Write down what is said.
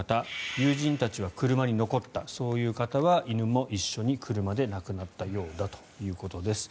友人たちは車に残ったそういう方は犬も一緒に車で亡くなったようだということです。